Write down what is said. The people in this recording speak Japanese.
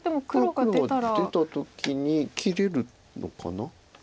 黒が出た時に切れるのかな？